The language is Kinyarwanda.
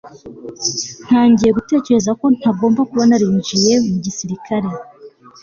ntangiye gutekereza ko ntagomba kuba narinjiye mu gisirikare